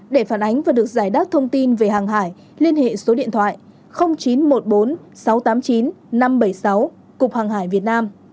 để phản ánh và được giải đáp thông tin về hàng hải liên hệ số điện thoại chín trăm một mươi bốn sáu trăm tám mươi chín năm trăm bảy mươi sáu cục hàng hải việt nam